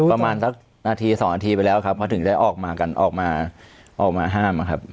ประมาณสักนาทีสองทีไปแล้วครับเพราะถึงได้ออกมากันออกมาออกมาห้ามอะครับ